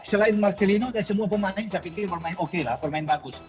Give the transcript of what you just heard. selain marcelino dan semua pemain saya pikir bermain oke lah pemain bagus